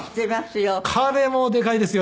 彼もでかいですよ。